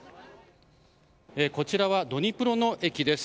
こちらはドニプロの駅です。